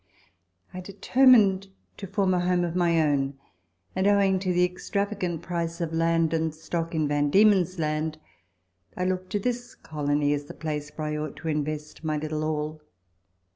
I determined to form a home of my own, and, owing to the ex travagant price of land and stock in Van Diemen's Land, I looked to this colony as the place where I ought to invest my little all.